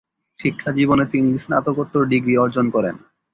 শিক্ষাজীবনে তিনি স্নাতকোত্তর ডিগ্রি অর্জন করেন।